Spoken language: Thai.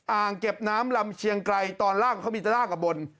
อ่างเก็บน้ำลำเชียงไกรตอนล่างเขามีตะล่างกับบน